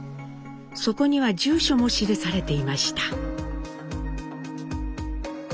そこには住所も記されていました。